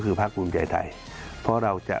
คือพักปรุงแยกไทยเพราะเราจะ